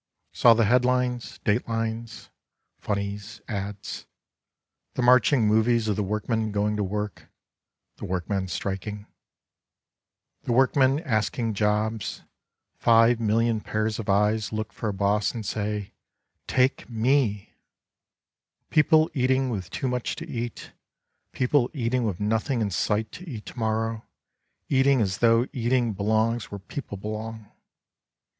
Saw the headlines, date lines, funnies, ads. The marching movies of the workmen going to work, the workmen striking, The workmen asking jobs — ^five million pairs of eyes look for a boss and say, " Take me" People eating with too much to eat, people eating with nothing in sight to eat to morrow, eating as though eating belongs where people belong.